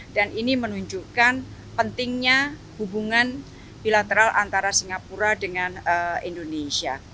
dan ini menunjukkan pentingnya hubungan bilateral antara singapura dengan indonesia